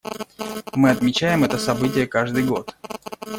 Мы отмечаем это событие каждый год.